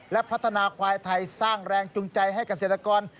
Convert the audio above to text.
และพัฒนาควายไทยสร้างแรงจูงใจให้เกษตรกร